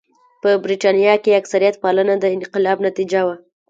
په برېټانیا کې کثرت پالنه د انقلاب نتیجه وه.